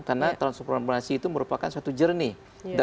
karena transformasi itu merupakan suatu journey